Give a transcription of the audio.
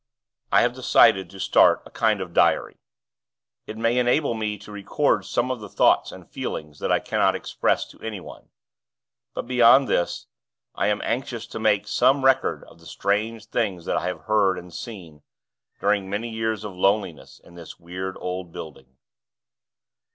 I have decided to start a kind of diary; it may enable me to record some of the thoughts and feelings that I cannot express to anyone; but, beyond this, I am anxious to make some record of the strange things that I have heard and seen, during many years of loneliness, in this weird old building.